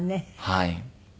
はい。